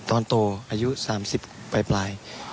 ตอนโตอายุ๓๐ปลาย